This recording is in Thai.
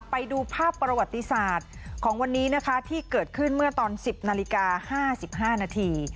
ไปดูภาพประวัติศาสตร์ของวันนี้นะคะที่เกิดขึ้นเมื่อตอน๑๐นาฬิกา๕๕นาที